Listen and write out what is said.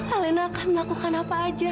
alina akan melakukan apa saja